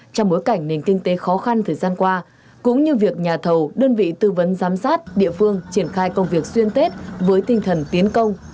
trong bối cảnh nền kinh tế khó khăn thời gian qua cũng như việc nhà thầu đơn vị tư vấn giám sát địa phương triển khai công việc xuyên tết với tinh thần tiến công